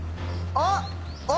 あっ！